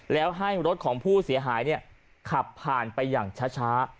แล้วให้รถของผู้เสียหายขับผ่านไปอย่างช้า